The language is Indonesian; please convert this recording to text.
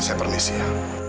saya permisi ya